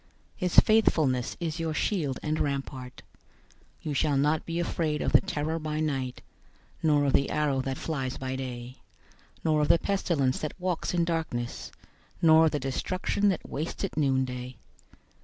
His faithfulness is your shield and rampart. 091:005 You shall not be afraid of the terror by night, nor of the arrow that flies by day; 091:006 nor of the pestilence that walks in darkness, nor of the destruction that wastes at noonday.